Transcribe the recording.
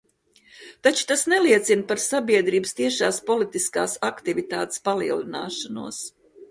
Taču tas neliecina par sabiedrības tiešās politiskās aktivitātes palielināšanos.